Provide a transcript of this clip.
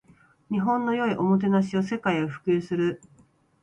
日本の良いおもてなしを世界へ普及する